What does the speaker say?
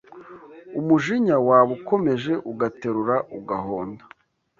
Umujinya waba ukomeje Ugaterura ugahonda